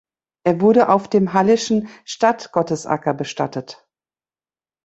Er wurde auf dem halleschen Stadtgottesacker bestattet.